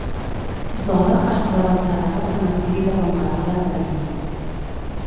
Zola es troba enterrat al cementiri de Montmartre a París.